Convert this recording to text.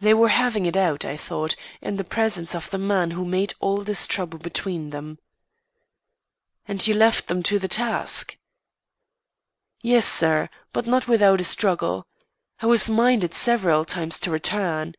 They were having it out, I thought, in the presence of the man who had made all this trouble between them." "And you left them to the task?" "Yes, sir, but not without a struggle. I was minded several times to return.